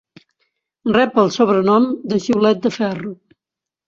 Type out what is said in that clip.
Rep el sobrenom de "Xiulet de ferro".